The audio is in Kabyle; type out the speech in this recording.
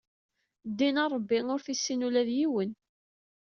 Din Ṛebbi ur tissin ula d yiwen